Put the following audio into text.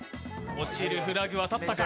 落ちるフラグは立ったか。